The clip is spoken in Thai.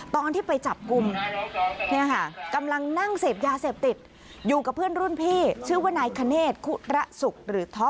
ตอนที่ไปจับกุมกำลังนั่งเสียบยาเสียบติดอยู่กับเพื่อนรุ่นพี่ชื่อว่านายคะเนตคุระศุกร์